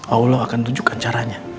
allah akan tunjukkan caranya